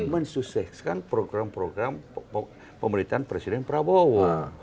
men su ses kan program program pemerintahan presiden prabowo